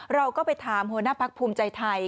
เราก็ไปถามหัวหน้าพักภูมิใจไทย